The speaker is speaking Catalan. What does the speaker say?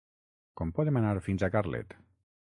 Com podem anar fins a Carlet?